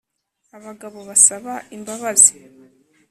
abagabo basaba imbabazi